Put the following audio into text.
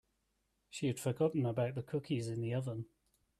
She had forgotten about the cookies in the oven.